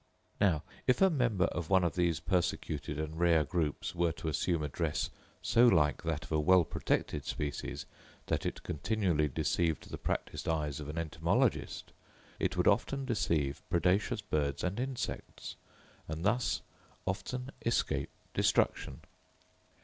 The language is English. Now if a member of one of these persecuted and rare groups were to assume a dress so like that of a well protected species that it continually deceived the practised eyes of an entomologist, it would often deceive predaceous birds and insects, and thus often escape destruction.